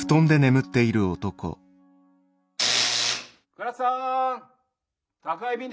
・倉田さん